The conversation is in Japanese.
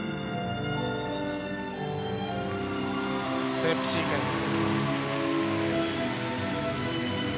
ステップシークエンス。